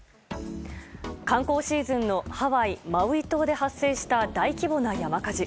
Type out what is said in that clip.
観光シーズンのハワイ・マウイ島で発生した大規模な山火事。